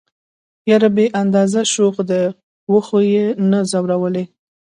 يره بې اندازه شوخ دي وخو يې نه ځورولئ.